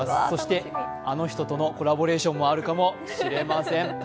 そして、あの人とのコラボレーションもあるかもしれません。